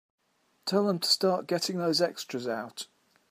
Tell them to start getting those extras out.